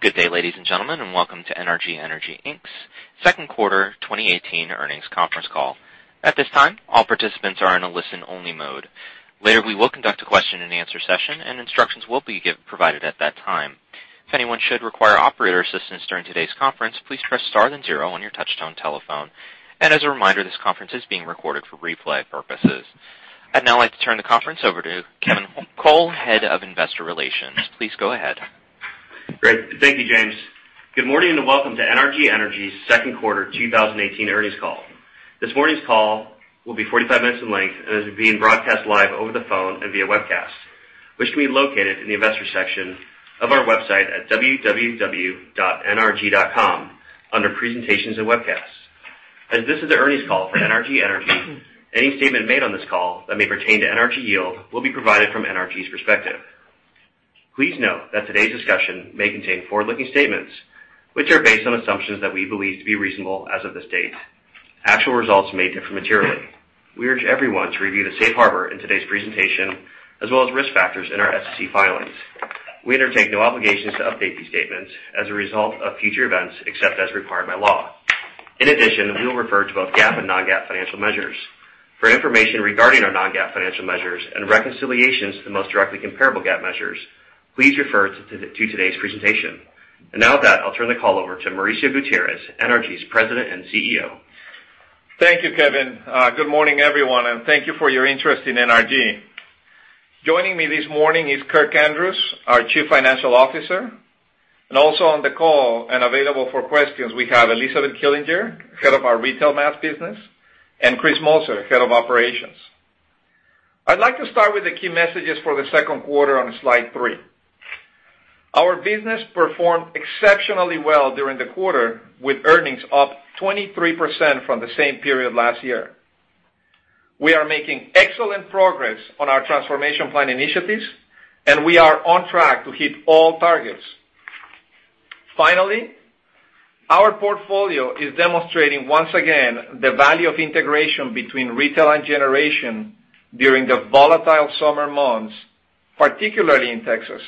Good day, ladies and gentlemen, and welcome to NRG Energy Inc.'s second quarter 2018 earnings conference call. At this time, all participants are in a listen-only mode. Later, we will conduct a question and answer session and instructions will be provided at that time. If anyone should require operator assistance during today's conference, please press star then zero on your touch-tone telephone. As a reminder, this conference is being recorded for replay purposes. I'd now like to turn the conference over to Kevin Cole, Head of Investor Relations. Please go ahead. Great. Thank you, James. Good morning, and welcome to NRG Energy's second quarter 2018 earnings call. This morning's call will be 45 minutes in length and is being broadcast live over the phone and via webcast, which can be located in the Investors section of our website at www.nrg.com under presentations and webcasts. As this is the earnings call for NRG Energy, any statement made on this call that may pertain to NRG Yield will be provided from NRG's perspective. Please note that today's discussion may contain forward-looking statements, which are based on assumptions that we believe to be reasonable as of this date. Actual results may differ materially. We urge everyone to review the safe harbor in today's presentation, as well as risk factors in our SEC filings. We undertake no obligations to update these statements as a result of future events, except as required by law. In addition, we will refer to both GAAP and non-GAAP financial measures. For information regarding our non-GAAP financial measures and reconciliations to the most directly comparable GAAP measures, please refer to today's presentation. Now with that, I'll turn the call over to Mauricio Gutierrez, NRG's President and CEO. Thank you, Kevin. Good morning, everyone, and thank you for your interest in NRG. Joining me this morning is Kirk Andrews, our Chief Financial Officer, and also on the call and available for questions, we have Elizabeth Killinger, Head of our Retail Mass Business, and Chris Moser, Head of Operations. I'd like to start with the key messages for the second quarter on slide three. Our business performed exceptionally well during the quarter, with earnings up 23% from the same period last year. We are making excellent progress on our transformation plan initiatives. We are on track to hit all targets. Finally, our portfolio is demonstrating once again the value of integration between retail and generation during the volatile summer months, particularly in Texas.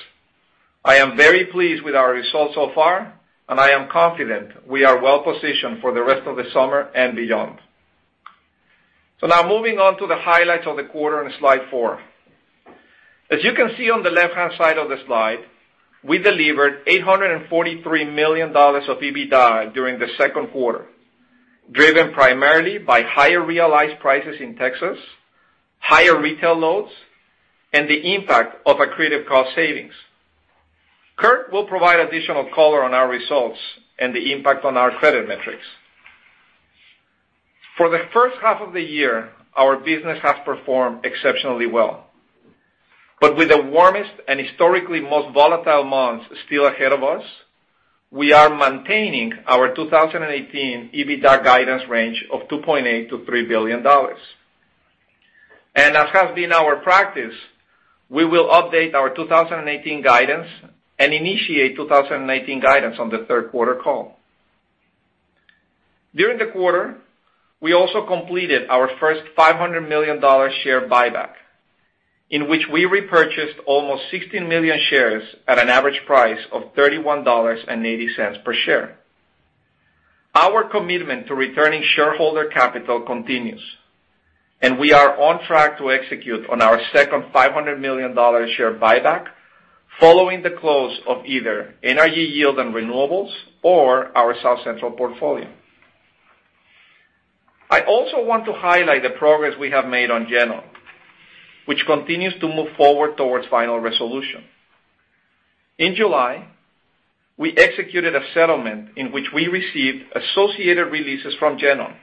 I am very pleased with our results so far. I am confident we are well-positioned for the rest of the summer and beyond. Moving on to the highlights of the quarter on slide four. As you can see on the left-hand side of the slide, we delivered $843 million of EBITDA during the second quarter, driven primarily by higher realized prices in Texas, higher retail loads, and the impact of accretive cost savings. Kirk will provide additional color on our results and the impact on our credit metrics. For the first half of the year, our business has performed exceptionally well. With the warmest and historically most volatile months still ahead of us, we are maintaining our 2018 EBITDA guidance range of $2.8 billion-$3 billion. As has been our practice, we will update our 2018 guidance and initiate 2019 guidance on the third-quarter call. During the quarter, we also completed our first $500 million share buyback, in which we repurchased almost 16 million shares at an average price of $31.80 per share. Our commitment to returning shareholder capital continues, and we are on track to execute on our second $500 million share buyback following the close of either NRG Yield and Renewables or our South Central portfolio. I also want to highlight the progress we have made on GenOn, which continues to move forward towards final resolution. In July, we executed a settlement in which we received associated releases from GenOn,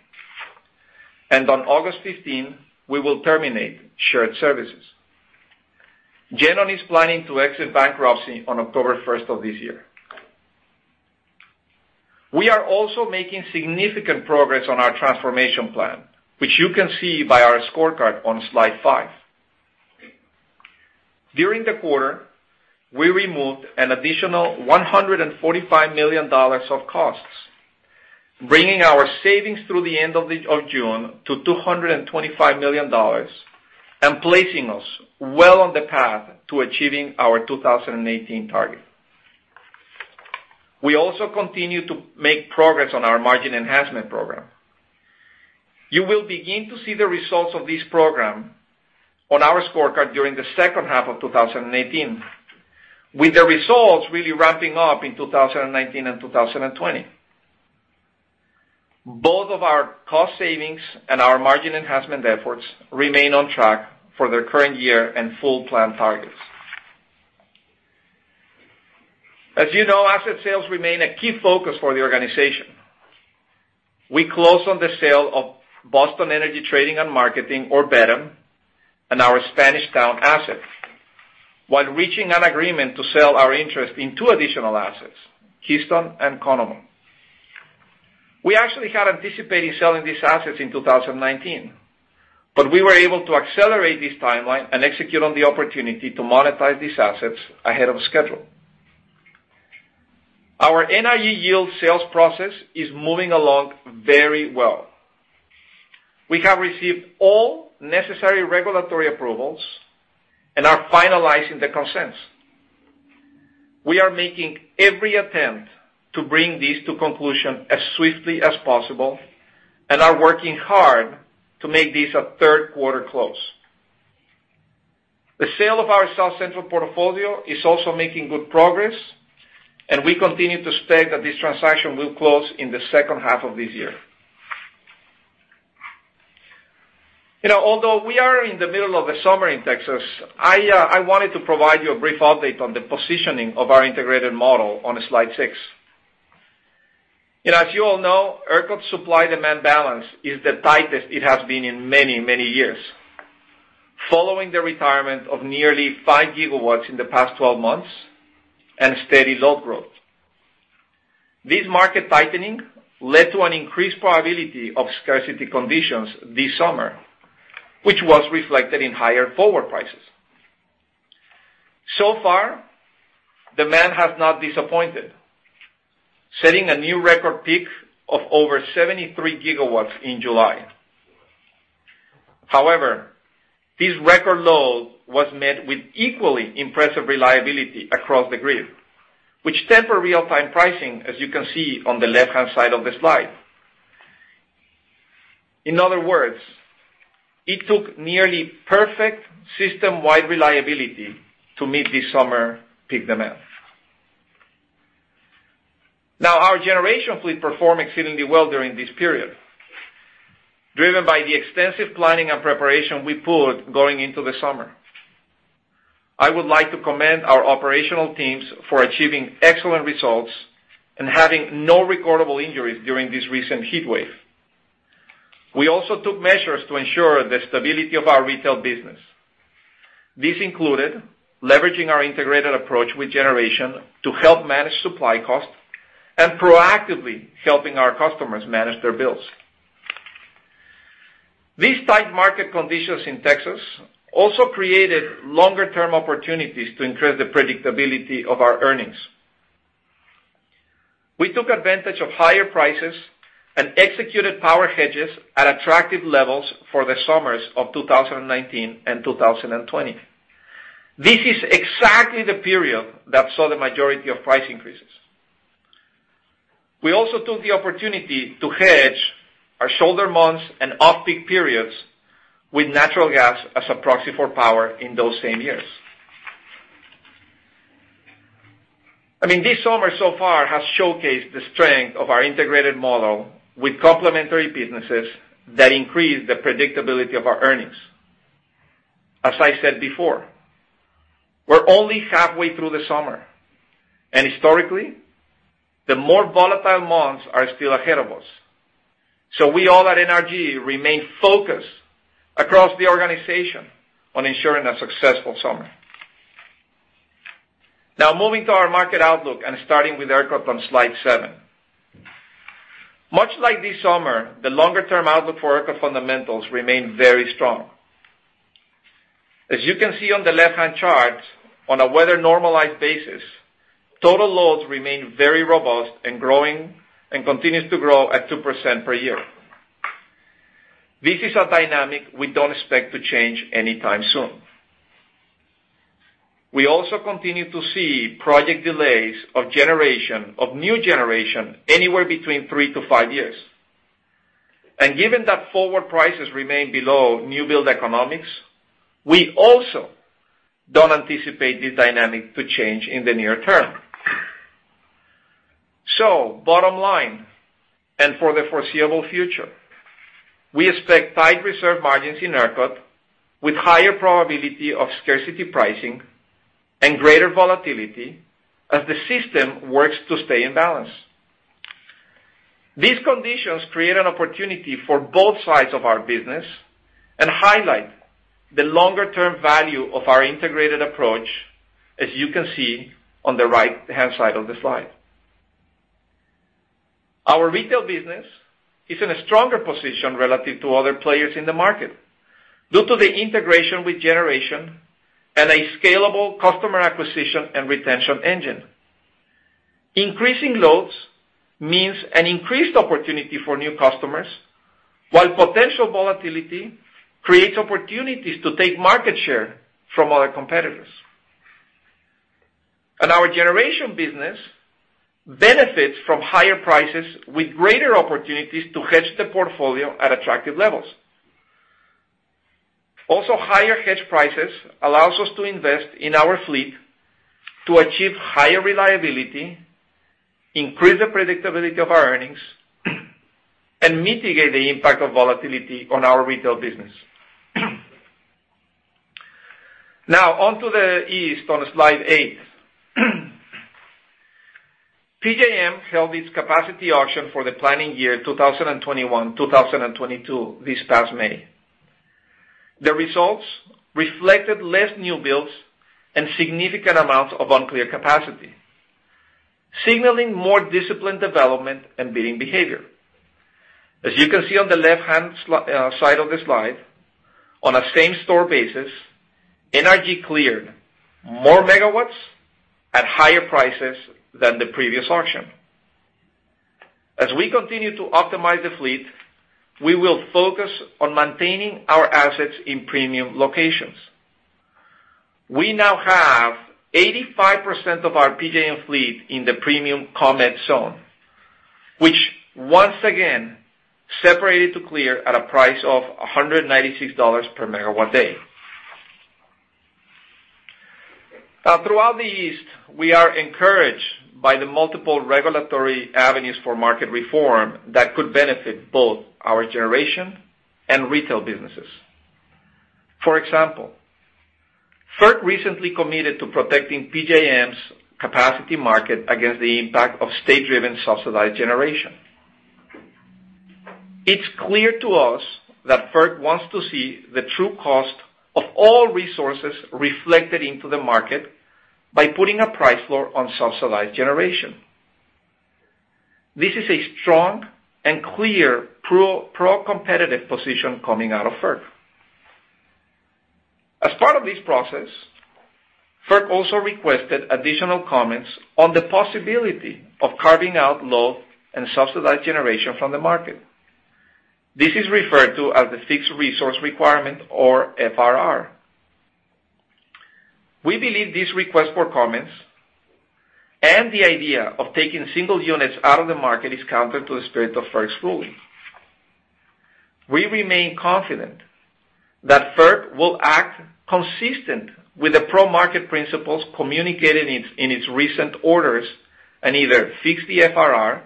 and on August 15, we will terminate shared services. GenOn is planning to exit bankruptcy on October 1st of this year. We are also making significant progress on our transformation plan, which you can see by our scorecard on slide five. During the quarter, we removed an additional $145 million of costs, bringing our savings through the end of June to $225 million and placing us well on the path to achieving our 2018 target. We also continue to make progress on our margin enhancement program. You will begin to see the results of this program on our scorecard during the second half of 2018, with the results really ramping up in 2019 and 2020. Both of our cost savings and our margin enhancement efforts remain on track for their current year and full plan targets. As you know, asset sales remain a key focus for the organization. We closed on the sale of Boston Energy Trading and Marketing, or BETAM, and our Spanish Town asset, while reaching an agreement to sell our interest in two additional assets, Keystone and Conemaugh. We actually had anticipated selling these assets in 2019, but we were able to accelerate this timeline and execute on the opportunity to monetize these assets ahead of schedule. Our NRG Yield sales process is moving along very well. We have received all necessary regulatory approvals and are finalizing the consents. We are making every attempt to bring these to conclusion as swiftly as possible and are working hard to make these a third quarter close. The sale of our South Central portfolio is also making good progress, and we continue to state that this transaction will close in the second half of this year. Although we are in the middle of the summer in Texas, I wanted to provide you a brief update on the positioning of our integrated model on slide six. As you all know, ERCOT supply-demand balance is the tightest it has been in many, many years, following the retirement of nearly five gigawatts in the past 12 months and steady load growth. This market tightening led to an increased probability of scarcity conditions this summer, which was reflected in higher forward prices. So far, demand has not disappointed, setting a new record peak of over 73 gigawatts in July. However, this record load was met with equally impressive reliability across the grid, which tempered real-time pricing, as you can see on the left-hand side of the slide. In other words, it took nearly perfect system-wide reliability to meet this summer peak demand. Our generation fleet performed exceedingly well during this period, driven by the extensive planning and preparation we put going into the summer. I would like to commend our operational teams for achieving excellent results and having no recordable injuries during this recent heat wave. We also took measures to ensure the stability of our Retail Mass Business. This included leveraging our integrated approach with generation to help manage supply cost and proactively helping our customers manage their bills. These tight market conditions in Texas also created longer-term opportunities to increase the predictability of our earnings. We took advantage of higher prices and executed power hedges at attractive levels for the summers of 2019 and 2020. This is exactly the period that saw the majority of price increases. We also took the opportunity to hedge our shoulder months and off-peak periods with natural gas as a proxy for power in those same years. I mean, this summer so far has showcased the strength of our integrated model with complementary businesses that increase the predictability of our earnings. As I said before, we're only halfway through the summer, and historically, the more volatile months are still ahead of us. We all at NRG remain focused across the organization on ensuring a successful summer. Moving to our market outlook and starting with ERCOT on slide seven. Much like this summer, the longer-term outlook for ERCOT fundamentals remain very strong. As you can see on the left-hand chart, on a weather-normalized basis, total loads remain very robust and continues to grow at 2% per year. This is a dynamic we don't expect to change anytime soon. We also continue to see project delays of new generation anywhere between three to five years. Given that forward prices remain below new build economics, we also don't anticipate this dynamic to change in the near term. Bottom line, and for the foreseeable future, we expect tight reserve margins in ERCOT with higher probability of scarcity pricing and greater volatility as the system works to stay in balance. These conditions create an opportunity for both sides of our business and highlight the longer-term value of our integrated approach, as you can see on the right-hand side of the slide. Our Retail Mass Business is in a stronger position relative to other players in the market due to the integration with generation and a scalable customer acquisition and retention engine. Increasing loads means an increased opportunity for new customers, while potential volatility creates opportunities to take market share from other competitors. Our generation business benefits from higher prices with greater opportunities to hedge the portfolio at attractive levels. Also, higher hedge prices allows us to invest in our fleet to achieve higher reliability, increase the predictability of our earnings, and mitigate the impact of volatility on our retail business. On to the East on slide 8. PJM held its capacity auction for the planning year 2021-2022 this past May. The results reflected less new builds and significant amounts of uncleared capacity, signaling more disciplined development and bidding behavior. As you can see on the left-hand side of the slide. On a same-store basis, NRG cleared more megawatts at higher prices than the previous auction. As we continue to optimize the fleet, we will focus on maintaining our assets in premium locations. We now have 85% of our PJM fleet in the premium commit zone, which once again separated to clear at a price of $196 per megawatt day. Throughout the East, we are encouraged by the multiple regulatory avenues for market reform that could benefit both our generation and retail businesses. For example, FERC recently committed to protecting PJM's capacity market against the impact of state-driven subsidized generation. It's clear to us that FERC wants to see the true cost of all resources reflected into the market by putting a price floor on subsidized generation. This is a strong and clear pro-competitive position coming out of FERC. As part of this process, FERC also requested additional comments on the possibility of carving out low-end subsidized generation from the market. This is referred to as the Fixed Resource Requirement or FRR. We believe this request for comments and the idea of taking single units out of the market is counter to the spirit of FERC's ruling. We remain confident that FERC will act consistent with the pro-market principles communicated in its recent orders and either fix the FRR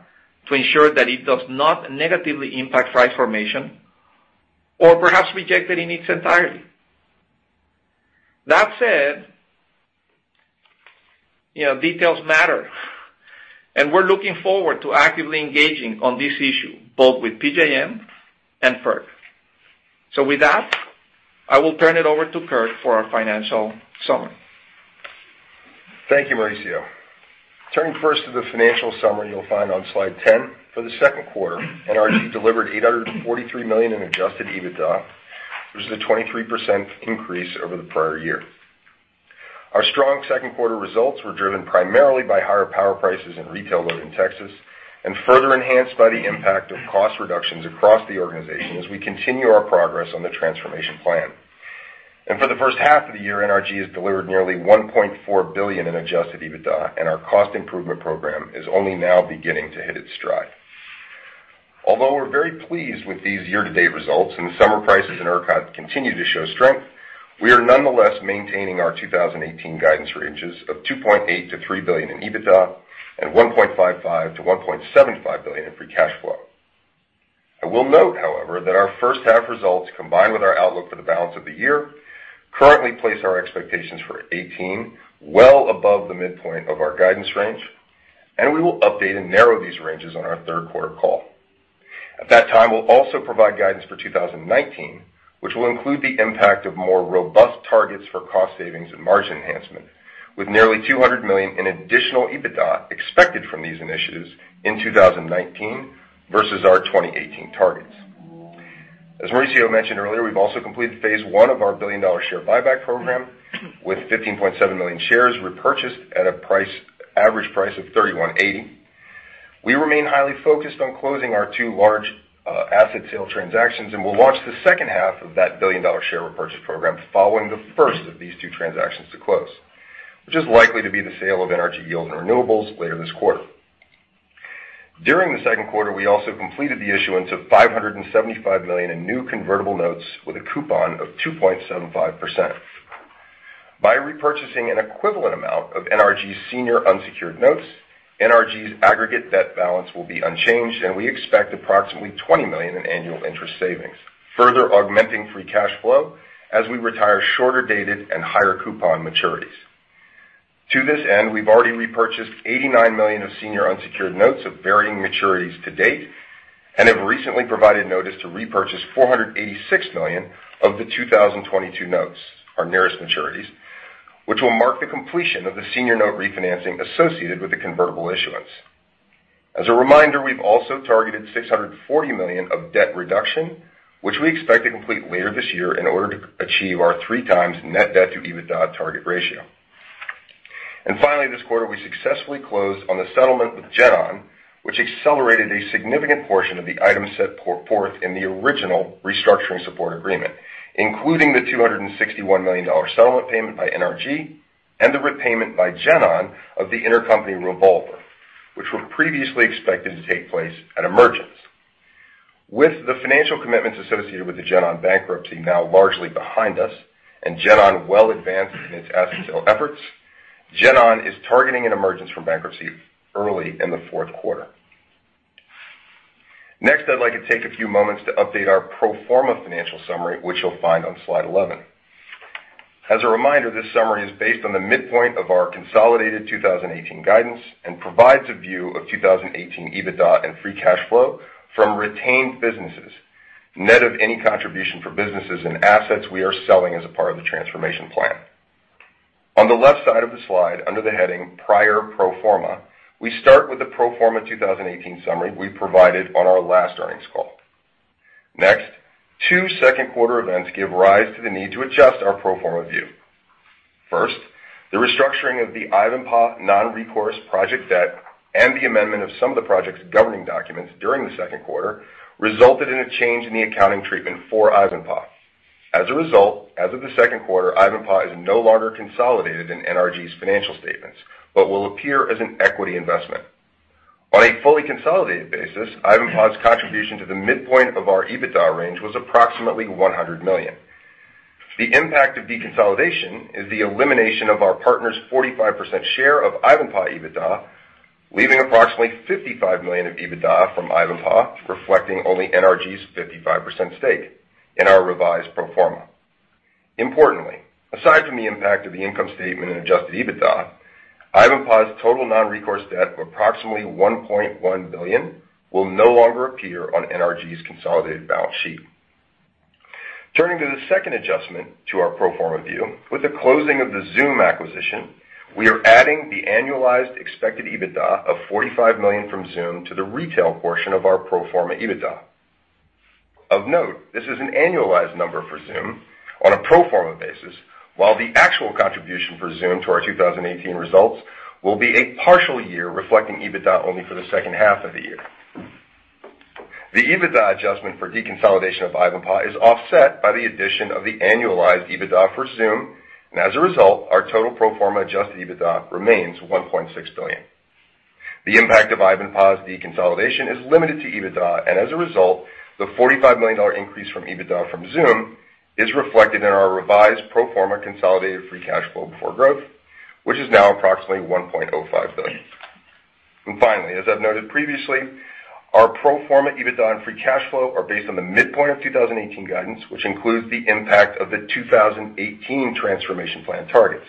to ensure that it does not negatively impact price formation or perhaps reject it in its entirety. That said, details matter, and we're looking forward to actively engaging on this issue, both with PJM and FERC. With that, I will turn it over to Kirk for our financial summary. Thank you, Mauricio. Turning first to the financial summary you'll find on slide 10. For the second quarter, NRG delivered $843 million in adjusted EBITDA, which is a 23% increase over the prior year. Our strong second quarter results were driven primarily by higher power prices in retail load in Texas and further enhanced by the impact of cost reductions across the organization as we continue our progress on the transformation plan. For the first half of the year, NRG has delivered nearly $1.4 billion in adjusted EBITDA, and our cost improvement program is only now beginning to hit its stride. Although we're very pleased with these year-to-date results, and the summer prices in ERCOT continue to show strength, we are nonetheless maintaining our 2018 guidance ranges of $2.8 billion-$3 billion in EBITDA and $1.55 billion-$1.75 billion in free cash flow. I will note, however, that our first half results, combined with our outlook for the balance of the year, currently place our expectations for 2018 well above the midpoint of our guidance range, and we will update and narrow these ranges on our third quarter call. At that time, we'll also provide guidance for 2019, which will include the impact of more robust targets for cost savings and margin enhancement, with nearly $200 million in additional EBITDA expected from these initiatives in 2019 versus our 2018 targets. As Mauricio mentioned earlier, we've also completed phase 1 of our billion-dollar share buyback program, with 15.7 million shares repurchased at an average price of $3,180. We remain highly focused on closing our two large asset sale transactions, and we'll launch the second half of that billion-dollar share repurchase program following the first of these two transactions to close. Which is likely to be the sale of NRG Yield and Renewables later this quarter. During the second quarter, we also completed the issuance of $575 million in new convertible notes with a coupon of 2.75%. By repurchasing an equivalent amount of NRG's senior unsecured notes, NRG's aggregate debt balance will be unchanged, and we expect approximately $20 million in annual interest savings, further augmenting free cash flow as we retire shorter-dated and higher-coupon maturities. To this end, we've already repurchased $89 million of senior unsecured notes of varying maturities to date and have recently provided notice to repurchase $486 million of the 2022 notes, our nearest maturities, which will mark the completion of the senior note refinancing associated with the convertible issuance. As a reminder, we've also targeted $640 million of debt reduction, which we expect to complete later this year in order to achieve our 3 times net debt to EBITDA target ratio. Finally, this quarter, we successfully closed on the settlement with GenOn, which accelerated a significant portion of the items set forth in the original restructuring support agreement, including the $261 million settlement payment by NRG and the repayment by GenOn of the intercompany revolver, which were previously expected to take place at emergence. With the financial commitments associated with the GenOn bankruptcy now largely behind us and GenOn well advanced in its asset sale efforts, GenOn is targeting an emergence from bankruptcy early in the fourth quarter. Next, I'd like to take a few moments to update our pro forma financial summary, which you'll find on slide 11. As a reminder, this summary is based on the midpoint of our consolidated 2018 guidance and provides a view of 2018 EBITDA and free cash flow from retained businesses, net of any contribution for businesses and assets we are selling as a part of the transformation plan. On the left side of the slide under the heading Prior Pro Forma, we start with the pro forma 2018 summary we provided on our last earnings call. Next, two second quarter events give rise to the need to adjust our pro forma view. First, the restructuring of the Ivanpah non-recourse project debt and the amendment of some of the project's governing documents during the second quarter resulted in a change in the accounting treatment for Ivanpah. As a result, as of the second quarter, Ivanpah is no longer consolidated in NRG's financial statements, but will appear as an equity investment. On a fully consolidated basis, Ivanpah's contribution to the midpoint of our EBITDA range was approximately $100 million. The impact of deconsolidation is the elimination of our partner's 45% share of Ivanpah EBITDA, leaving approximately $55 million of EBITDA from Ivanpah, reflecting only NRG's 55% stake in our revised pro forma. Importantly, aside from the impact of the income statement and adjusted EBITDA, Ivanpah's total non-recourse debt of approximately $1.1 billion will no longer appear on NRG's consolidated balance sheet. Turning to the second adjustment to our pro forma view. With the closing of the XOOM Energy acquisition, we are adding the annualized expected EBITDA of $45 million from XOOM Energy to the retail portion of our pro forma EBITDA. Of note, this is an annualized number for XOOM Energy on a pro forma basis, while the actual contribution for XOOM Energy to our 2018 results will be a partial year reflecting EBITDA only for the second half of the year. The EBITDA adjustment for deconsolidation of Ivanpah is offset by the addition of the annualized EBITDA for XOOM Energy, and as a result, our total pro forma adjusted EBITDA remains $1.6 billion. The impact of Ivanpah's deconsolidation is limited to EBITDA, and as a result, the $45 million increase from EBITDA from XOOM Energy is reflected in our revised pro forma consolidated free cash flow before growth, which is now approximately $1.05 billion. Finally, as I've noted previously, our pro forma EBITDA and free cash flow are based on the midpoint of 2018 guidance, which includes the impact of the 2018 transformation plan targets.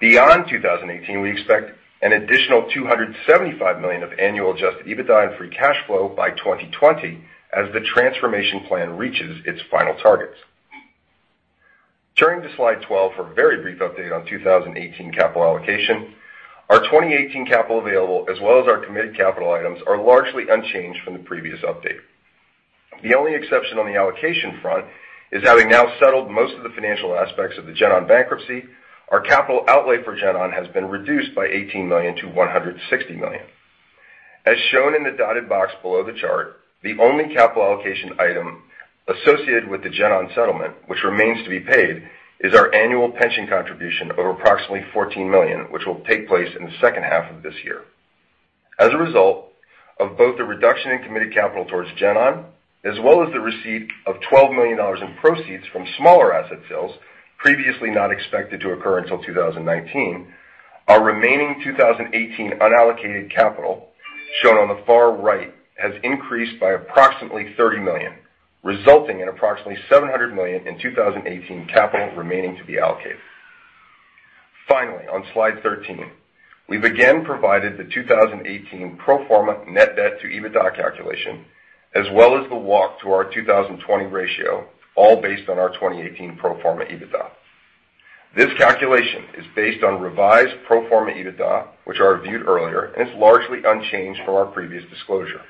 Beyond 2018, we expect an additional $275 million of annual adjusted EBITDA and free cash flow by 2020 as the transformation plan reaches its final targets. Turning to slide 12 for a very brief update on 2018 capital allocation. Our 2018 capital available as well as our committed capital items are largely unchanged from the previous update. The only exception on the allocation front is having now settled most of the financial aspects of the GenOn bankruptcy, our capital outlay for GenOn has been reduced by $18 million to $160 million. As shown in the dotted box below the chart, the only capital allocation item associated with the GenOn settlement, which remains to be paid, is our annual pension contribution of approximately $14 million, which will take place in the second half of this year. As a result of both the reduction in committed capital towards GenOn, as well as the receipt of $12 million in proceeds from smaller asset sales previously not expected to occur until 2019, our remaining 2018 unallocated capital, shown on the far right, has increased by approximately $30 million, resulting in approximately $700 million in 2018 capital remaining to be allocated. Finally, on slide 13, we've again provided the 2018 pro forma net debt to EBITDA calculation, as well as the walk to our 2020 ratio, all based on our 2018 pro forma EBITDA. This calculation is based on revised pro forma EBITDA, which I reviewed earlier, and it's largely unchanged from our previous disclosure.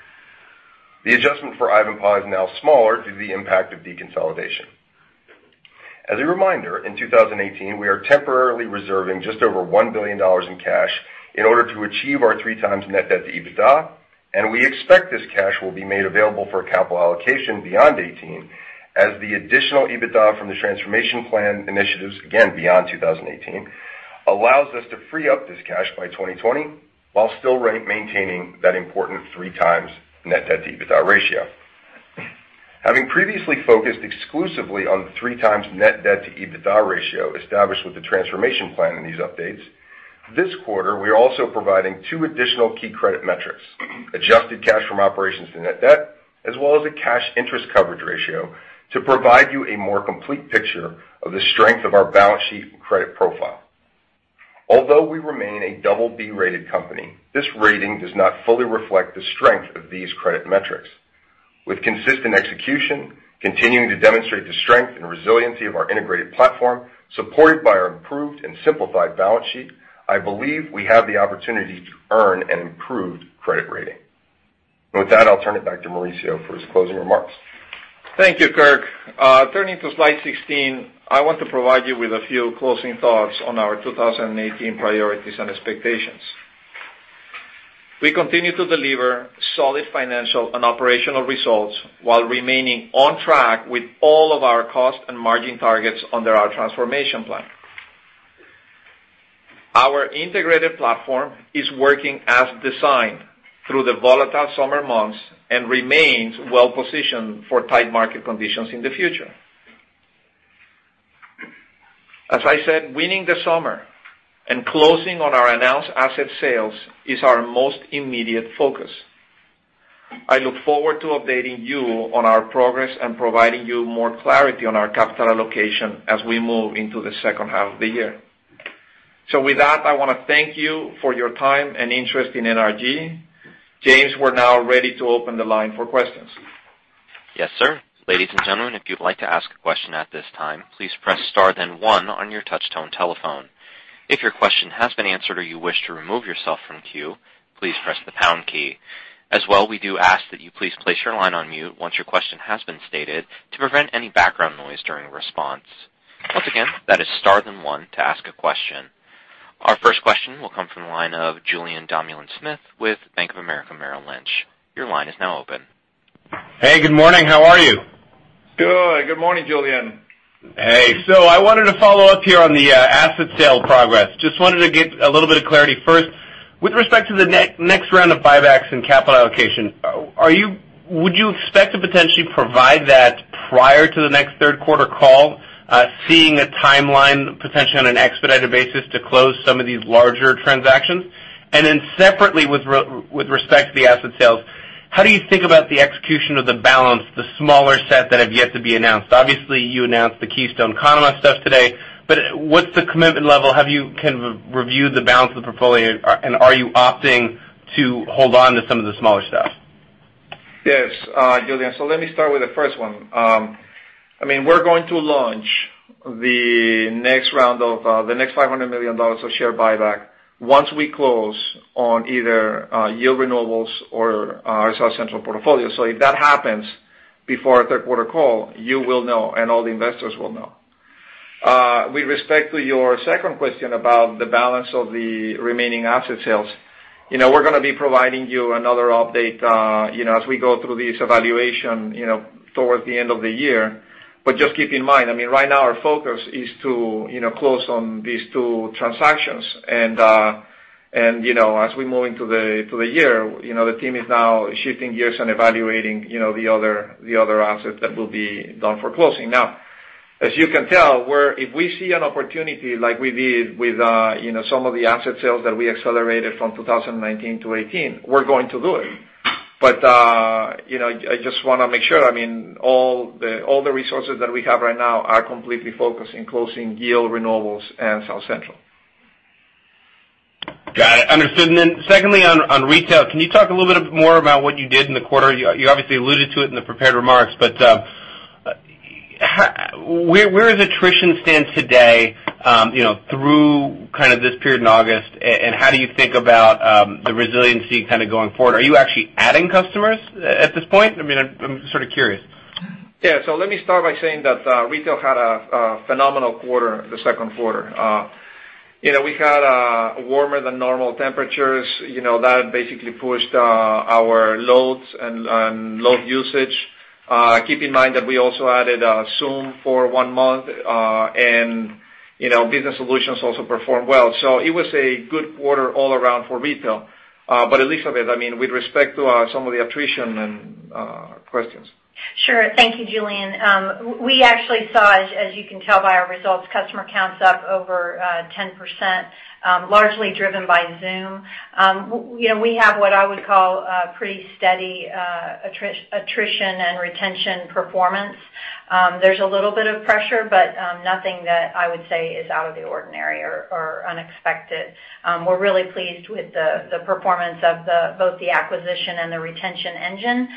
The adjustment for Ivanpah is now smaller due to the impact of deconsolidation. As a reminder, in 2018, we are temporarily reserving just over $1 billion in cash in order to achieve our 3 times net debt to EBITDA, and we expect this cash will be made available for capital allocation beyond 2018 as the additional EBITDA from the transformation plan initiatives, again, beyond 2018, allows us to free up this cash by 2020 while still maintaining that important 3 times net debt to EBITDA ratio. Having previously focused exclusively on the 3 times net debt to EBITDA ratio established with the transformation plan in these updates, this quarter, we are also providing 2 additional key credit metrics. Adjusted cash from operations to net debt, as well as a cash interest coverage ratio to provide you a more complete picture of the strength of our balance sheet and credit profile. Although we remain a double B-rated company, this rating does not fully reflect the strength of these credit metrics. With consistent execution, continuing to demonstrate the strength and resiliency of our integrated platform, supported by our improved and simplified balance sheet, I believe we have the opportunity to earn an improved credit rating. With that, I will turn it back to Mauricio for his closing remarks. Thank you, Kirk. Turning to slide 16, I want to provide you with a few closing thoughts on our 2018 priorities and expectations. We continue to deliver solid financial and operational results while remaining on track with all of our cost and margin targets under our transformation plan. Our integrated platform is working as designed through the volatile summer months and remains well-positioned for tight market conditions in the future. As I said, winning the summer and closing on our announced asset sales is our most immediate focus. I look forward to updating you on our progress and providing you more clarity on our capital allocation as we move into the second half of the year. With that, I want to thank you for your time and interest in NRG. James, we are now ready to open the line for questions. Yes, sir. Ladies and gentlemen, if you would like to ask a question at this time, please press star then one on your touchtone telephone. If your question has been answered or you wish to remove yourself from queue, please press the pound key. As well, we do ask that you please place your line on mute once your question has been stated to prevent any background noise during the response. Once again, that is star then one to ask a question. Our first question will come from the line of Julien Dumoulin-Smith with Bank of America Merrill Lynch. Your line is now open. Hey, good morning. How are you? Good. Good morning, Julien. Hey. I wanted to follow up here on the asset sale progress. I just wanted to get a little bit of clarity first, with respect to the next round of buybacks and capital allocation, would you expect to potentially provide that prior to the next third quarter call, seeing a timeline potentially on an expedited basis to close some of these larger transactions? Separately with respect to the asset sales, how do you think about the execution of the balance, the smaller set that have yet to be announced? Obviously, you announced the Keystone Conemaugh stuff today, what's the commitment level? Have you kind of reviewed the balance of the portfolio, and are you opting to hold on to some of the smaller stuff? Yes, Julien. Let me start with the first one. We're going to launch the next $500 million of share buyback once we close on either Yield Renewables or our South Central portfolio. If that happens before our third quarter call, you will know and all the investors will know. With respect to your second question about the balance of the remaining asset sales, we're going to be providing you another update as we go through this evaluation towards the end of the year. Just keep in mind, right now our focus is to close on these two transactions. As we move into the year, the team is now shifting gears and evaluating the other assets that will be done for closing. As you can tell, if we see an opportunity like we did with some of the asset sales that we accelerated from 2019 to 2018, we're going to do it. I just want to make sure, all the resources that we have right now are completely focused in closing Yield Renewables and South Central. Got it. Understood. Secondly, on retail, can you talk a little bit more about what you did in the quarter? You obviously alluded to it in the prepared remarks, but where does attrition stand today through kind of this period in August, and how do you think about the resiliency kind of going forward? Are you actually adding customers at this point? I'm sort of curious. Let me start by saying that retail had a phenomenal quarter the second quarter. We had warmer than normal temperatures, that basically pushed our loads and load usage. Keep in mind that we also added XOOM Energy for one month, and business solutions also performed well. It was a good quarter all around for retail. Elizabeth, with respect to some of the attrition and questions. Sure. Thank you, Julien. We actually saw, as you can tell by our results, customer counts up over 10%, largely driven by XOOM Energy. We have what I would call a pretty steady attrition and retention performance. There's a little bit of pressure, but nothing that I would say is out of the ordinary or unexpected. We're really pleased with the performance of both the acquisition and the retention engine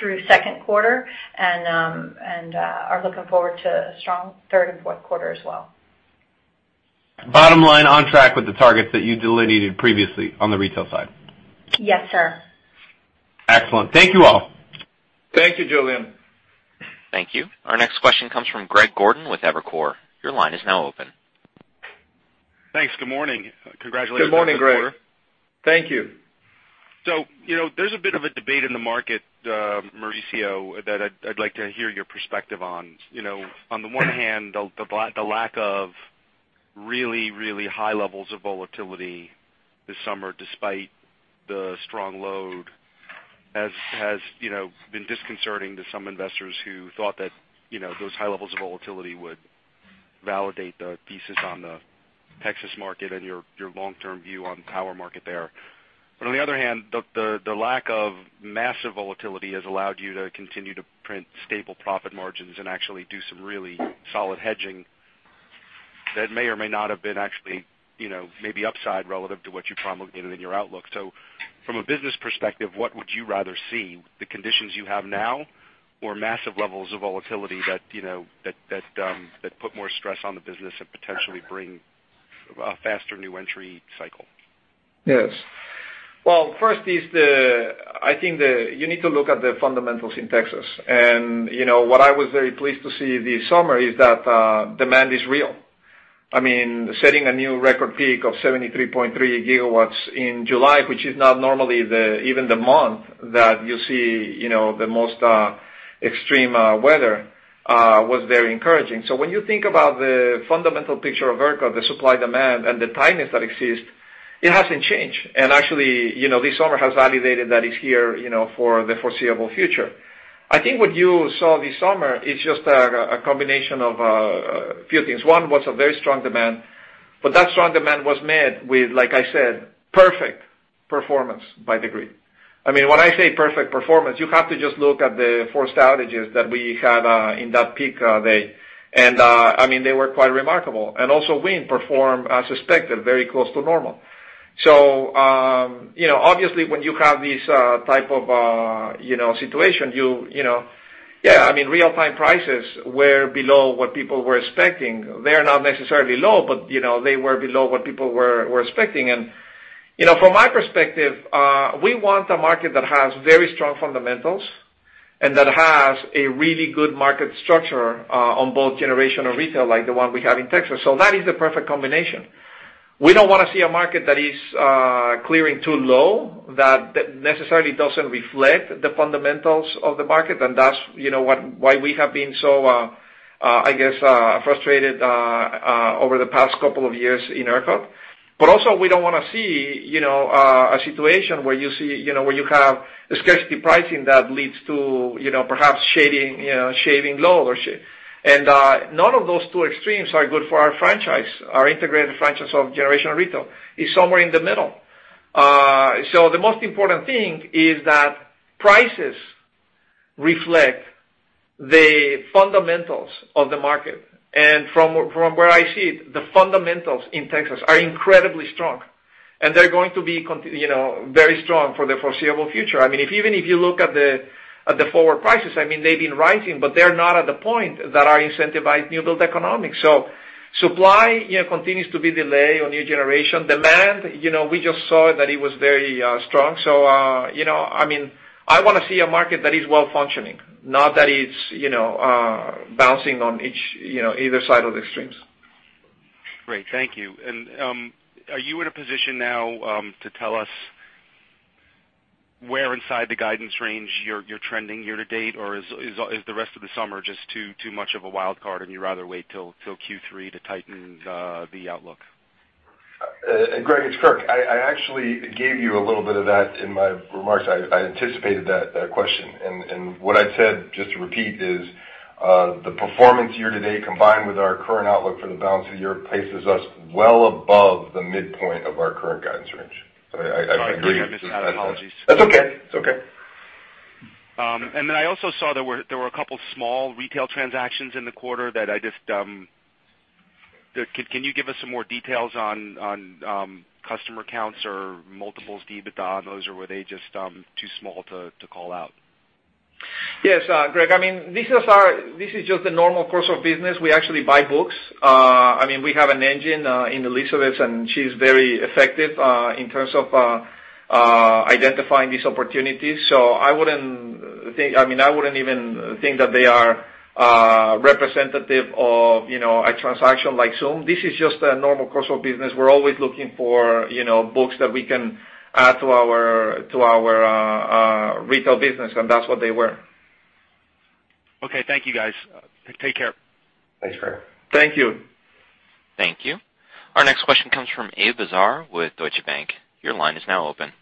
through second quarter, and are looking forward to a strong third and fourth quarter as well. Bottom line, on track with the targets that you delineated previously on the retail side? Yes, sir. Excellent. Thank you all. Thank you, Julien. Thank you. Our next question comes from Greg Gordon with Evercore. Your line is now open. Thanks. Good morning. Congratulations on the quarter. Good morning, Greg. Thank you. There's a bit of a debate in the market, Mauricio, that I'd like to hear your perspective on. On the one hand, the lack of really, really high levels of volatility this summer despite the strong load has been disconcerting to some investors who thought that those high levels of volatility would validate the thesis on the Texas market and your long-term view on power market there. On the other hand, the lack of massive volatility has allowed you to continue to print stable profit margins and actually do some really solid hedging that may or may not have been actually maybe upside relative to what you promulgated in your outlook. From a business perspective, what would you rather see, the conditions you have now or massive levels of volatility that put more stress on the business and potentially bring a faster new entry cycle? Well, first is I think you need to look at the fundamentals in Texas. What I was very pleased to see this summer is that demand is real. Setting a new record peak of 73.3 gigawatts in July, which is not normally even the month that you see the most extreme weather, was very encouraging. When you think about the fundamental picture of ERCOT, the supply-demand, and the tightness that exists, it hasn't changed. Actually, this summer has validated that it's here for the foreseeable future. I think what you saw this summer is just a combination of a few things. One was a very strong demand, but that strong demand was met with, like I said, perfect performance by degree. When I say perfect performance, you have to just look at the forced outages that we had in that peak day. They were quite remarkable. Also wind performed as expected, very close to normal. Obviously when you have this type of situation, yeah, real-time prices were below what people were expecting. They're not necessarily low, but they were below what people were expecting. From my perspective, we want a market that has very strong fundamentals and that has a really good market structure on both generation and retail, like the one we have in Texas. That is the perfect combination. We don't want to see a market that is clearing too low, that necessarily doesn't reflect the fundamentals of the market, and that's why we have been so, I guess, frustrated over the past couple of years in ERCOT. Also we don't want to see a situation where you have scarcity pricing that leads to perhaps load shedding. None of those two extremes are good for our franchise. Our integrated franchise of generation retail is somewhere in the middle. The most important thing is that prices reflect the fundamentals of the market. From where I see it, the fundamentals in Texas are incredibly strong, and they're going to be very strong for the foreseeable future. Even if you look at the forward prices, they've been rising, but they're not at the point that our incentivized new build economics. Supply continues to be delayed on new generation. Demand, we just saw that it was very strong. I want to see a market that is well-functioning, not that it's bouncing on either side of extremes. Great. Thank you. Are you in a position now to tell us where inside the guidance range you're trending year to date, or is the rest of the summer just too much of a wild card, and you'd rather wait till Q3 to tighten the outlook? Greg, it's Kirk. I actually gave you a little bit of that in my remarks. I anticipated that question. What I said, just to repeat, is the performance year to date, combined with our current outlook for the balance of the year, places us well above the midpoint of our current guidance range. Sorry, I missed that. Apologies. That's okay. Then I also saw there were a couple small retail transactions in the quarter. Can you give us some more details on customer counts or multiples EBITDA on those, or were they just too small to call out? Yes. Greg, this is just the normal course of business. We actually buy books. We have an engine in Elizabeth, and she's very effective in terms of identifying these opportunities. I wouldn't even think that they are representative of a transaction like XOOM. This is just a normal course of business. We're always looking for books that we can add to our retail business, and that's what they were. Okay. Thank you guys. Take care. Thanks, Greg. Thank you. Thank you. Our next question comes from Abe Azar with Deutsche Bank. Your line is now open.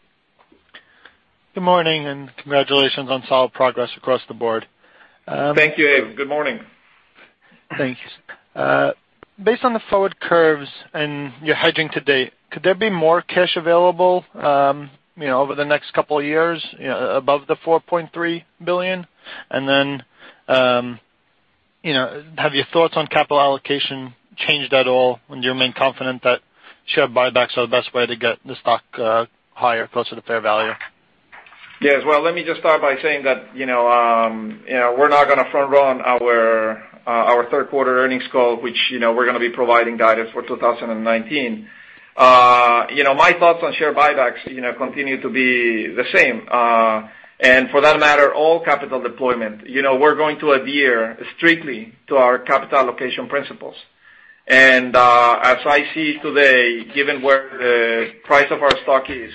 Good morning, congratulations on solid progress across the board. Thank you, Abe. Good morning. Thanks. Based on the forward curves and your hedging to date, could there be more cash available over the next couple of years above the $4.3 billion? Have your thoughts on capital allocation changed at all? Do you remain confident that share buybacks are the best way to get the stock higher closer to fair value? Yes. Well, let me just start by saying that we're not going to front-run our third-quarter earnings call, which we're going to be providing guidance for 2019. My thoughts on share buybacks continue to be the same. For that matter, all capital deployment. We're going to adhere strictly to our capital allocation principles. As I see today, given where the price of our stock is,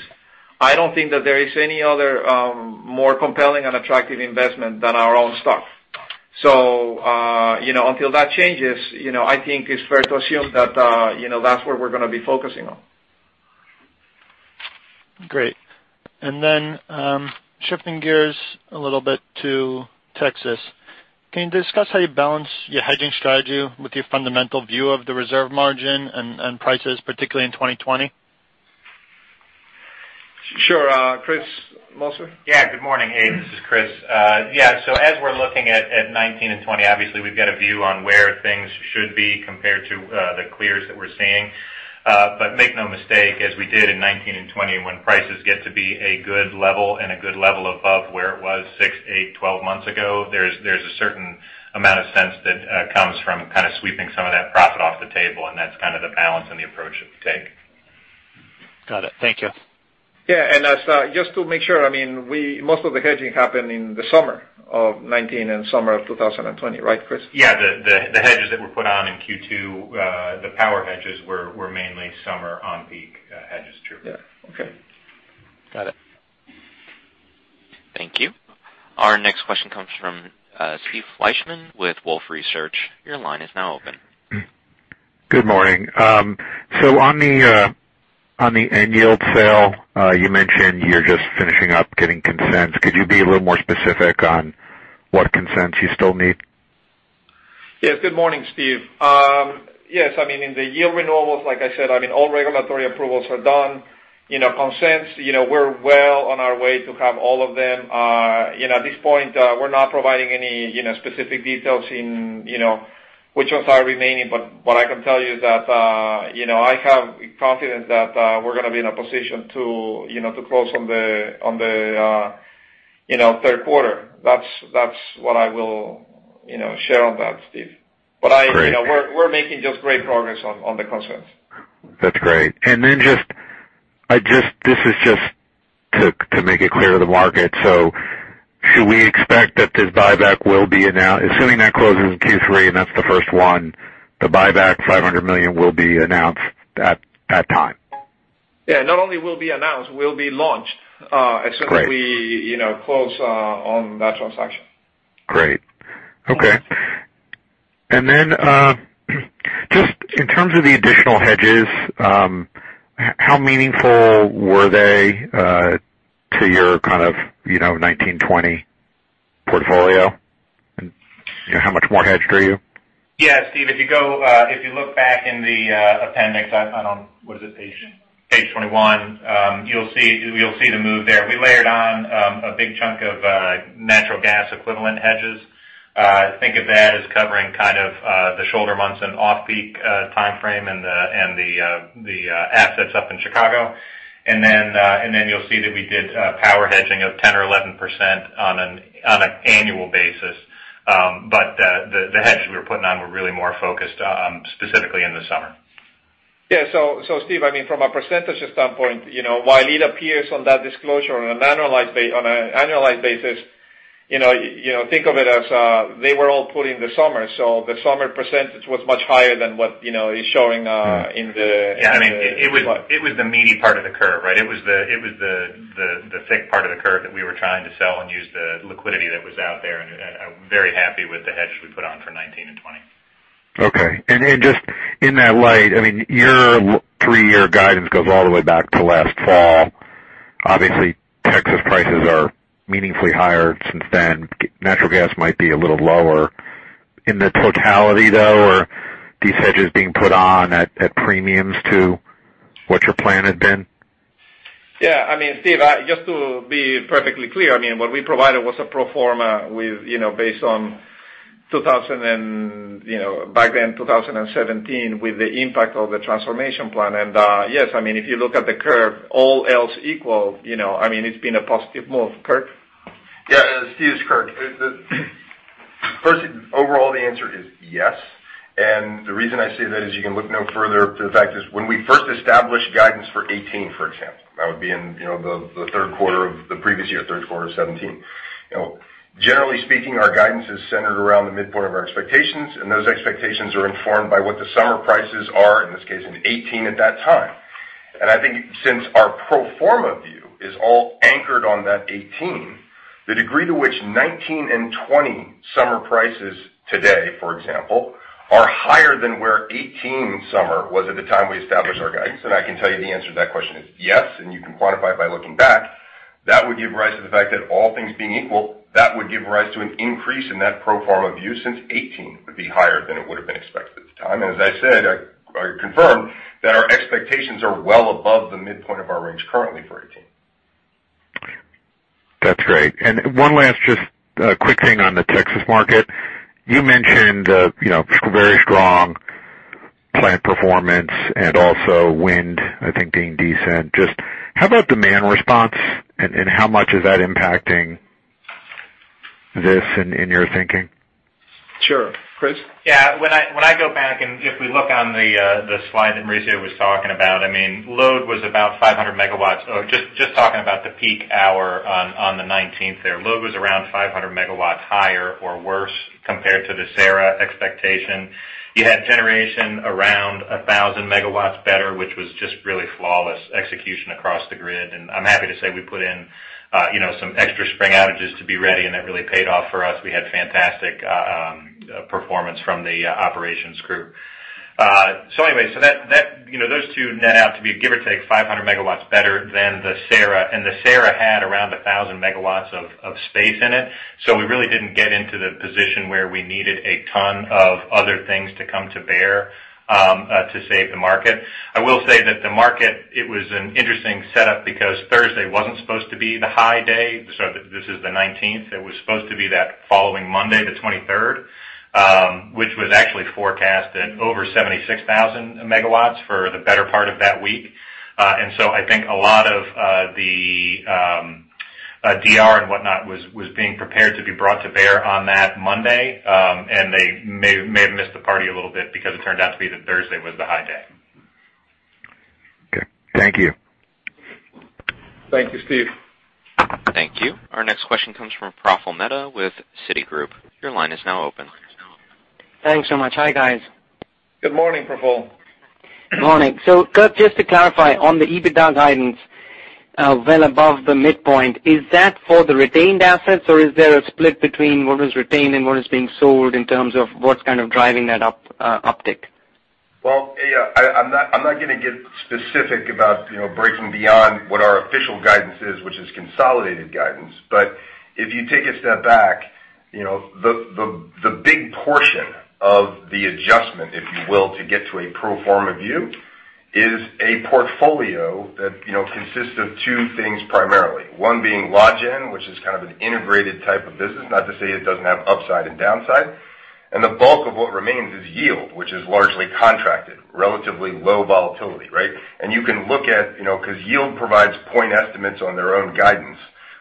I don't think that there is any other more compelling and attractive investment than our own stock. Until that changes, I think it's fair to assume that's where we're going to be focusing on. Great. Shifting gears a little bit to Texas. Can you discuss how you balance your hedging strategy with your fundamental view of the reserve margin and prices, particularly in 2020? Sure. Chris Moser? Yeah. Good morning, Abe. This is Chris. Yeah. As we're looking at 2019 and 2020, obviously we've got a view on where things should be compared to the clears that we're seeing. Make no mistake, as we did in 2019 and 2020, when prices get to be a good level and a good level above where it was six, eight, 12 months ago, there's a certain amount of sense that comes from kind of sweeping some of that profit off the table, and that's kind of the balance and the approach that we take. Got it. Thank you. Just to make sure, most of the hedging happened in the summer of 2019 and summer of 2020, right, Chris? Yeah. The hedges that were put on in Q2, the power hedges were mainly summer on-peak hedges. True. Yeah. Okay. Got it. Thank you. Our next question comes from Steve Fleishman with Wolfe Research. Your line is now open. Good morning. On the NRG Yield sale, you mentioned you're just finishing up getting consents. Could you be a little more specific on what consents you still need? Yes. Good morning, Steve. Yes, in the NRG Renewables, like I said, all regulatory approvals are done. Consents, we're well on our way to have all of them. At this point, we're not providing any specific details in which ones are remaining, but what I can tell you is that I have confidence that we're going to be in a position to close on the third quarter. That's what I will share on that, Steve. Great. We're making just great progress on the consents. That's great. This is just to make it clear to the market. Should we expect that this buyback will be announced, assuming that closes in Q3, and that's the first one, the buyback $500 million will be announced at that time? Yeah. Not only will be announced, will be launched. Great as soon as we close on that transaction. Great. Okay. Just in terms of the additional hedges, how meaningful were they to your kind of 2019, 2020 portfolio? How much more hedged are you? Yeah, Steve, if you look back in the appendix on, what is it, page 21, you will see the move there. We layered on a big chunk of natural gas equivalent hedges. Think of that as covering kind of the shoulder months and off-peak timeframe and the assets up in Chicago. Then you will see that we did power hedging of 10% or 11% on an annual basis. The hedge we were putting on were really more focused specifically in the summer. Yeah. Steve, I mean, from a percentages standpoint, while it appears on that disclosure on an annualized basis, think of it as they were all put in the summer. The summer percentage was much higher than what is showing in the. Yeah. I mean, it was the meaty part of the curve, right? It was the thick part of the curve that we were trying to sell and use the liquidity that was out there, and I am very happy with the hedge we put on for 2019 and 2020. Just in that light, I mean, your 3-year guidance goes all the way back to last fall. Obviously, Texas prices are meaningfully higher since then. Natural gas might be a little lower. In the totality, though, are these hedges being put on at premiums to what your plan had been? Yeah. I mean, Steve, just to be perfectly clear, I mean, what we provided was a pro forma based on back then 2017, with the impact of the transformation plan. Yes, I mean, if you look at the curve, all else equal, it's been a positive move. Kirk? Yeah. Steve, it's Kirk. First, overall, the answer is yes. The reason I say that is you can look no further to the fact is when we first established guidance for 2018, for example, that would be in the third quarter of the previous year, third quarter of 2017. Generally speaking, our guidance is centered around the midpoint of our expectations, and those expectations are informed by what the summer prices are, in this case, in 2018 at that time. I think since our pro forma view is all anchored on that 2018, the degree to which 2019 and 2020 summer prices today, for example, are higher than where 2018 summer was at the time we established our guidance. I can tell you the answer to that question is yes, and you can quantify it by looking back. That would give rise to the fact that all things being equal, that would give rise to an increase in that pro forma view, since 2018 would be higher than it would've been expected at the time. As I said, I confirm that our expectations are well above the midpoint of our range currently for 2018. That's great. One last just quick thing on the Texas market. You mentioned very strong plant performance and also wind, I think, being decent. Just how about demand response, and how much is that impacting this in your thinking? Sure. Chris? When I go back and if we look on the slide that Mauricio was talking about, I mean, load was about 500 MW. Just talking about the peak hour on the 19th there. Load was around 1,000 MW higher or worse compared to the CERA expectation. You had generation around 1,000 MW better, which was just really flawless execution across the grid. I'm happy to say we put in some extra spring outages to be ready, and that really paid off for us. We had fantastic performance from the operations crew. Anyway, those two net out to be give or take 500 MW better than the CERA, and the CERA had around 1,000 MW of space in it. We really didn't get into the position where we needed a ton of other things to come to bear to save the market. I will say that the market, it was an interesting setup because Thursday wasn't supposed to be the high day. This is the 19th. It was supposed to be that following Monday, the 23rd, which was actually forecasted over 76,000 MW for the better part of that week. I think a lot of the DR and whatnot was being prepared to be brought to bear on that Monday. They may have missed the party a little bit because it turned out to be that Thursday was the high day. Okay. Thank you. Thank you, Steve. Thank you. Our next question comes from Praful Mehta with Citigroup. Your line is now open. Thanks so much. Hi, guys. Good morning, Praful. Morning. Kirk, just to clarify on the EBITDA guidance well above the midpoint, is that for the retained assets, or is there a split between what was retained and what is being sold in terms of what's kind of driving that uptick? I'm not going to get specific about breaking beyond what our official guidance is, which is consolidated guidance. If you take a step back, the big portion of the adjustment, if you will, to get to a pro forma view Is a portfolio that consists of two things primarily. One being Logen, which is kind of an integrated type of business, not to say it doesn't have upside and downside. The bulk of what remains is Yield, which is largely contracted, relatively low volatility, right? You can look at, because Yield provides point estimates on their own guidance,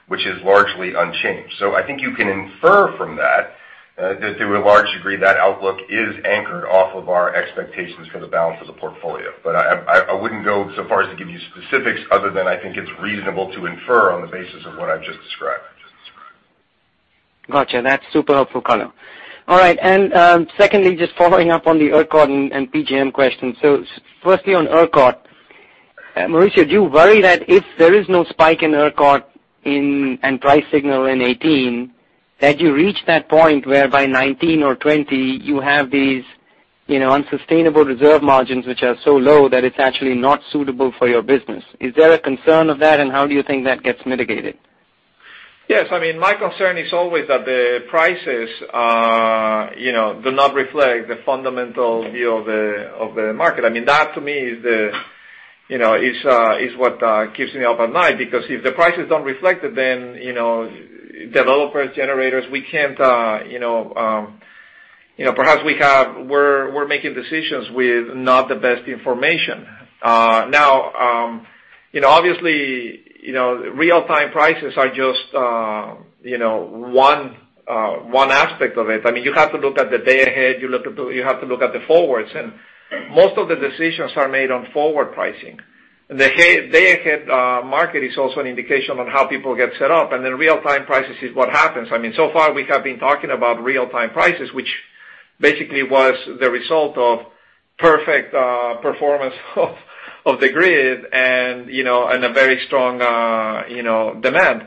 which is largely unchanged. I think you can infer from that to a large degree, that outlook is anchored off of our expectations for the balance of the portfolio. I wouldn't go so far as to give you specifics other than I think it's reasonable to infer on the basis of what I've just described. Got you. That's super helpful, Kirk. Secondly, just following up on the ERCOT and PJM question. Firstly, on ERCOT, Mauricio, do you worry that if there is no spike in ERCOT and price signal in 2018, that you reach that point where by 2019 or 2020 you have these unsustainable reserve margins, which are so low that it's actually not suitable for your business? Is there a concern of that, and how do you think that gets mitigated? Yes. My concern is always that the prices do not reflect the fundamental view of the market. That to me is what keeps me up at night, because if the prices don't reflect it, then developers, generators, perhaps we're making decisions with not the best information. Obviously, real-time prices are just one aspect of it. You have to look at the day ahead, you have to look at the forwards. Most of the decisions are made on forward pricing. The day-ahead market is also an indication on how people get set up, and then real-time prices is what happens. So far we have been talking about real-time prices, which basically was the result of perfect performance of the grid and a very strong demand.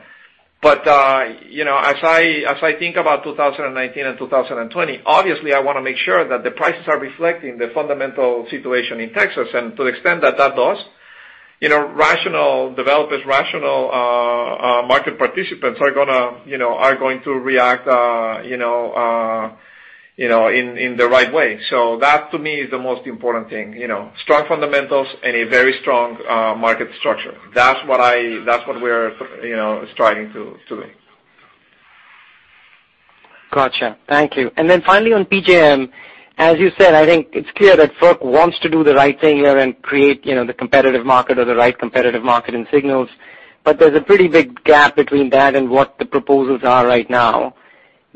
As I think about 2019 and 2020, obviously I want to make sure that the prices are reflecting the fundamental situation in Texas. To the extent that that does, rational developers, rational market participants are going to react in the right way. That to me is the most important thing. Strong fundamentals and a very strong market structure. That's what we're striving to do. Got you. Thank you. Finally on PJM, as you said, I think it's clear that FERC wants to do the right thing here and create the competitive market or the right competitive market and signals, there's a pretty big gap between that and what the proposals are right now.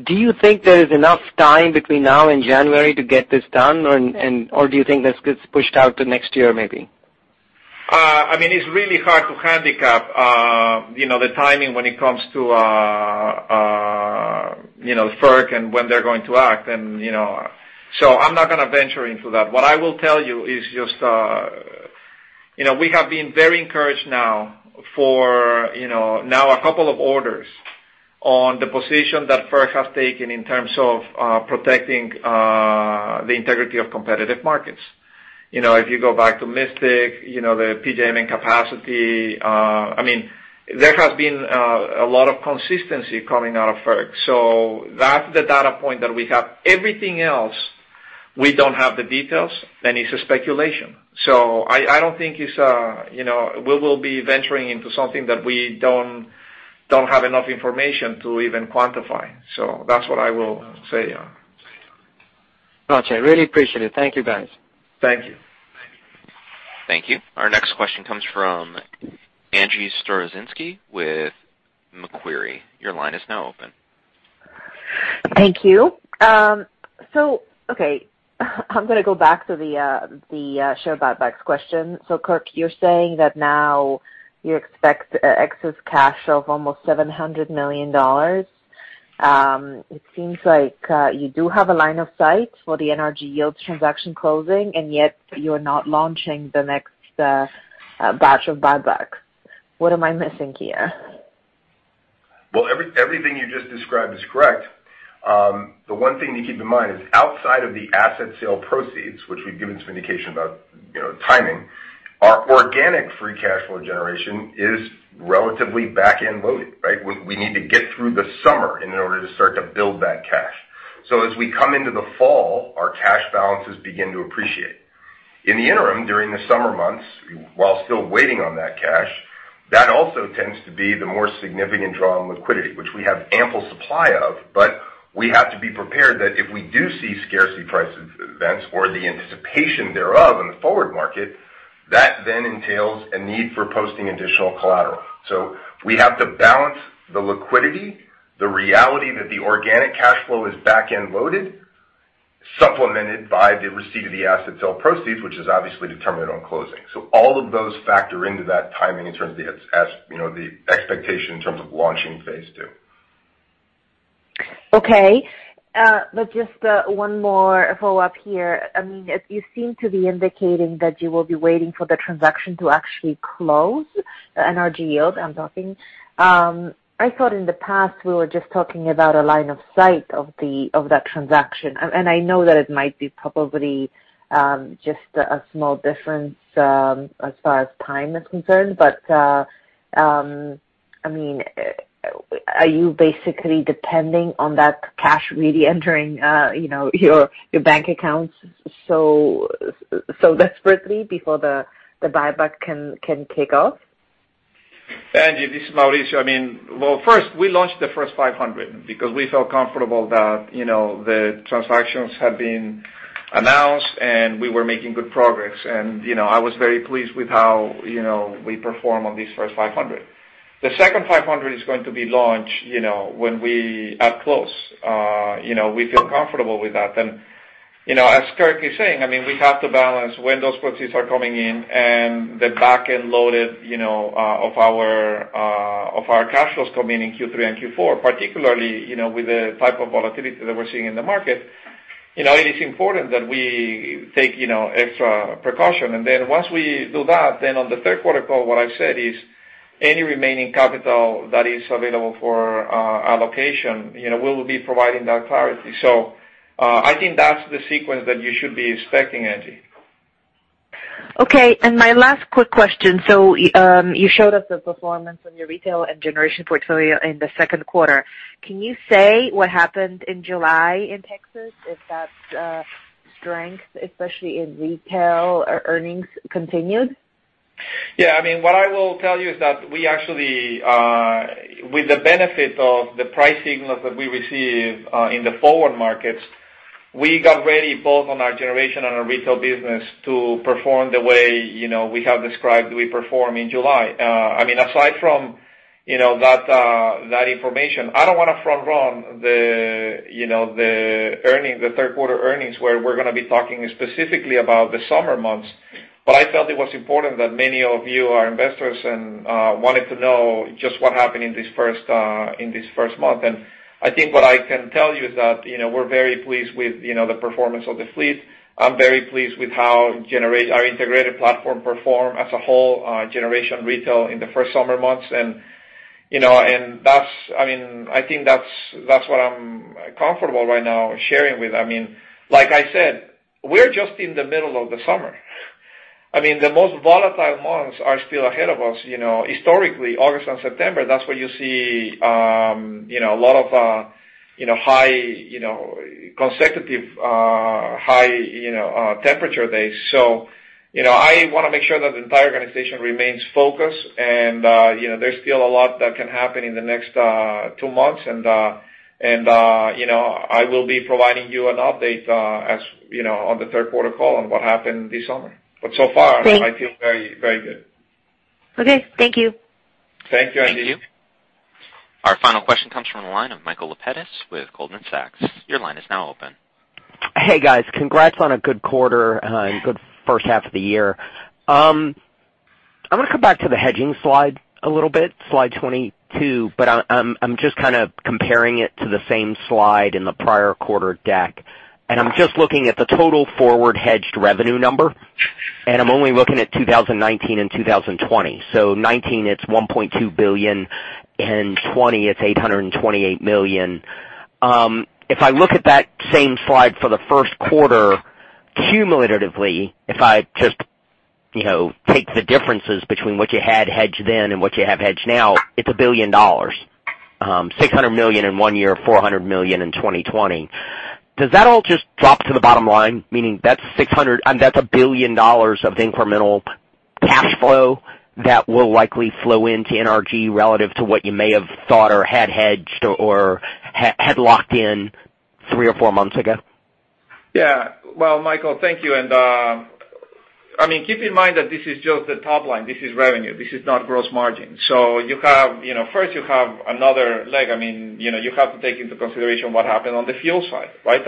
Do you think there is enough time between now and January to get this done? Do you think this gets pushed out to next year, maybe? It's really hard to handicap the timing when it comes to FERC and when they're going to act. I'm not going to venture into that. What I will tell you is just, we have been very encouraged now for a couple of orders on the position that FERC has taken in terms of protecting the integrity of competitive markets. If you go back to Mystic, the PJM in-capacity, there has been a lot of consistency coming out of FERC. That's the data point that we have. Everything else, we don't have the details, it's a speculation. I don't think we will be venturing into something that we don't have enough information to even quantify. That's what I will say. Got you. I really appreciate it. Thank you, guys. Thank you. Thank you. Thank you. Our next question comes from Angie Storozynski with Macquarie. Your line is now open. Thank you. Okay. I'm going to go back to the share buybacks question. Kirk, you're saying that now you expect excess cash of almost $700 million. It seems like you do have a line of sight for the NRG Yield transaction closing, and yet you're not launching the next batch of buyback. What am I missing here? Well, everything you just described is correct. The one thing to keep in mind is outside of the asset sale proceeds, which we've given some indication about timing, our organic free cash flow generation is relatively back-end loaded, right? We need to get through the summer in order to start to build that cash. As we come into the fall, our cash balances begin to appreciate. In the interim, during the summer months, while still waiting on that cash, that also tends to be the more significant draw on liquidity, which we have ample supply of, but we have to be prepared that if we do see scarcity pricing events or the anticipation thereof in the forward market, that then entails a need for posting additional collateral. We have to balance the liquidity, the reality that the organic cash flow is back-end loaded, supplemented by the receipt of the asset sale proceeds, which is obviously determined on closing. All of those factor into that timing in terms of the expectation in terms of launching phase 2. Okay. Just one more follow-up here. You seem to be indicating that you will be waiting for the transaction to actually close, NRG Yield, I'm talking. I thought in the past we were just talking about a line of sight of that transaction. I know that it might be probably just a small difference as far as time is concerned, but, I mean- Are you basically depending on that cash really entering your bank accounts so desperately before the buyback can kick off? Angie, this is Mauricio. First, we launched the first 500 because we felt comfortable that the transactions had been announced, and we were making good progress. I was very pleased with how we perform on these first 500. The second 500 is going to be launched when we are close. We feel comfortable with that. As Kirk is saying, we have to balance when those proceeds are coming in and the back end loaded of our cash flows coming in Q3 and Q4, particularly with the type of volatility that we're seeing in the market. It is important that we take extra precaution. Once we do that, on the third quarter call, what I've said is any remaining capital that is available for allocation, we'll be providing that clarity. I think that's the sequence that you should be expecting, Angie. Okay, my last quick question. You showed us the performance on your retail and generation portfolio in the second quarter. Can you say what happened in July in Texas? If that strength, especially in retail earnings, continued? What I will tell you is that we actually, with the benefit of the price signals that we receive in the forward markets, we got ready both on our generation and our retail business to perform the way we have described we perform in July. Aside from that information, I don't want to front-run the third quarter earnings where we're going to be talking specifically about the summer months. I felt it was important that many of you are investors and wanted to know just what happened in this first month. I think what I can tell you is that we're very pleased with the performance of the fleet. I'm very pleased with how our integrated platform perform as a whole on generation retail in the first summer months. I think that's what I'm comfortable right now sharing with. Like I said, we're just in the middle of the summer. The most volatile months are still ahead of us. Historically, August and September, that's where you see a lot of consecutive high temperature days. I want to make sure that the entire organization remains focused, and there's still a lot that can happen in the next two months, and I will be providing you an update on the third quarter call on what happened this summer. Great I feel very, very good. Okay. Thank you. Thank you, Angie. Thank you. Our final question comes from the line of Michael Lapides with Goldman Sachs. Your line is now open. Hey, guys. Congrats on a good quarter and good first half of the year. I want to come back to the hedging slide a little bit, slide 22, but I'm just kind of comparing it to the same slide in the prior quarter deck. I'm just looking at the total forward hedged revenue number, and I'm only looking at 2019 and 2020. 2019, it's $1.2 billion, and 2020, it's $828 million. If I look at that same slide for the first quarter cumulatively, if I just take the differences between what you had hedged then and what you have hedged now, it's a billion dollars. $600 million in one year, $400 million in 2020. Does that all just drop to the bottom line? Meaning that's a billion dollars of incremental cash flow that will likely flow into NRG relative to what you may have thought or had hedged or had locked in three or four months ago. Yeah. Well, Michael, thank you. Keep in mind that this is just the top line. This is revenue. This is not gross margin. First you have another leg. You have to take into consideration what happened on the fuel side, right?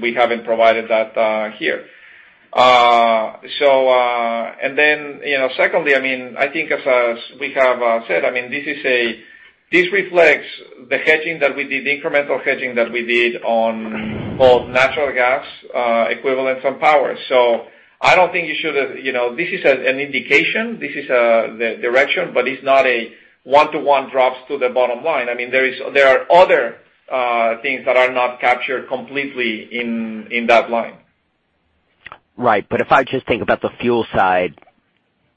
We haven't provided that here. Secondly, I think as we have said, this reflects the incremental hedging that we did on both natural gas equivalents and power. I don't think this is an indication. This is the direction, but it's not a one-to-one drops to the bottom line. There are other things that are not captured completely in that line. Right. If I just think about the fuel side,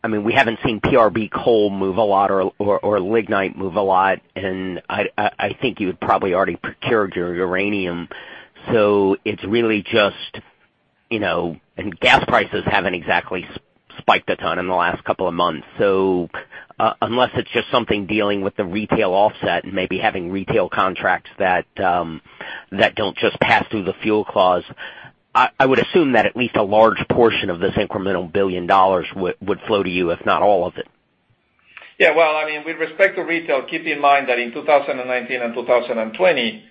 we haven't seen PRB coal move a lot or lignite move a lot. I think you had probably already procured your uranium. Gas prices haven't exactly spiked a ton in the last couple of months. Unless it's just something dealing with the Retail Mass Business offset and maybe having retail contracts that don't just pass through the fuel clause, I would assume that at least a large portion of this incremental billion dollars would flow to you, if not all of it. Well, with respect to retail, keep in mind that in 2019 and 2020,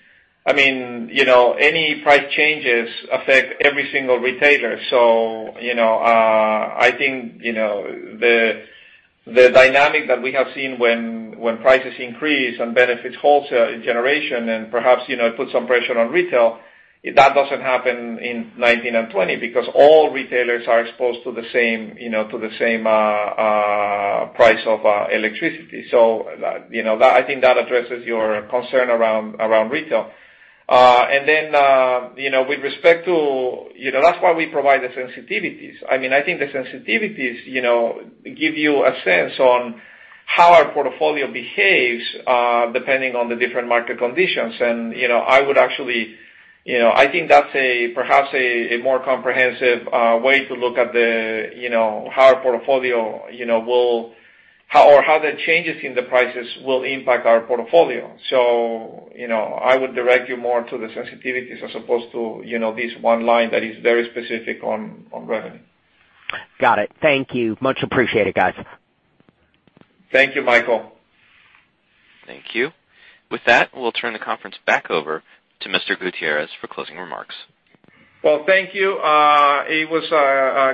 any price changes affect every single retailer. I think the dynamic that we have seen when prices increase and benefits wholesale generation and perhaps it puts some pressure on retail, that does not happen in 2019 and 2020 because all retailers are exposed to the same price of electricity. I think that addresses your concern around retail. With respect to, that is why we provide the sensitivities. I think the sensitivities give you a sense on how our portfolio behaves depending on the different market conditions. I think that is perhaps a more comprehensive way to look at how our portfolio will, or how the changes in the prices will impact our portfolio. I would direct you more to the sensitivities as opposed to this one line that is very specific on revenue. Got it. Thank you. Much appreciated, guys. Thank you, Michael. Thank you. With that, we will turn the conference back over to Mr. Gutierrez for closing remarks. Well, thank you. It was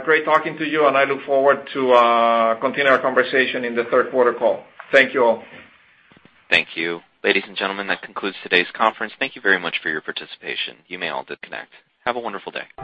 great talking to you, and I look forward to continuing our conversation in the third quarter call. Thank you all. Thank you. Ladies and gentlemen, that concludes today's conference. Thank you very much for your participation. You may all disconnect. Have a wonderful day.